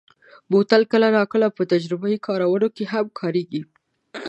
بوتل کله ناکله په تجربهيي کارونو کې هم کارېږي.